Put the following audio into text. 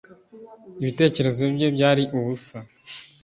Ibitekerezo bye byari ubusa,